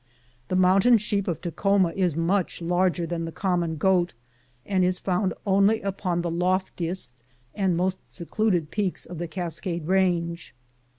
The mountain sheep of Takhoma is much larger than the common goat, and is found only upon the loftiest and most secluded peaks of the Cascade Range.